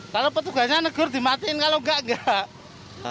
kalau petugasnya negur dimatikan kalau gak gak